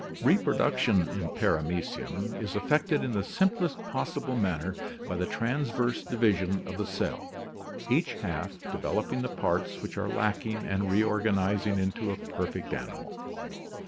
Reproduction in Paramecium is effected in the simplest possible manner by the transverse division of the cell, each half developing the parts which are lacking and reorganizing into a perfect animal.